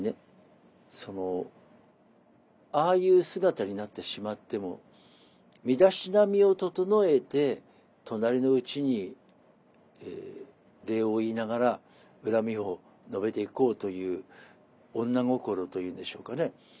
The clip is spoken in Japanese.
そのああいう姿になってしまっても身だしなみを整えて隣のうちに礼を言いながら恨みを述べていこうという女心というんでしょうかね